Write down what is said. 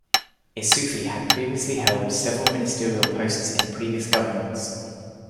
Issoufi had previously held several ministerial posts in previous governments.